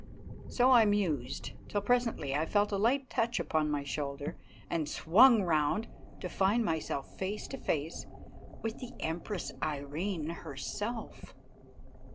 So I mused, till presently I felt a light touch upon my shoulder, and swung round to find myself face to face with the Empress Irene herself.